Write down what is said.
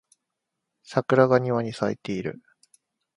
桜が庭に咲いている